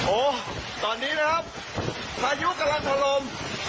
โอ้ตอนนี้นะครับพายุกำลังทะลม